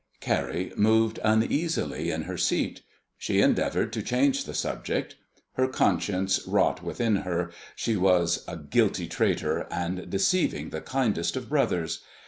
Carrie moved uneasily in her seat. She endeavoured to change the subject. Her conscience wrought within her she was a guilty traitor, and deceiving the kindest of brothers.